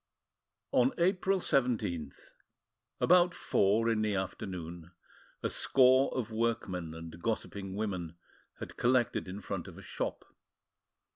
On April 17th, about four in the afternoon, a score of workmen and gossiping women had collected in front of a shop.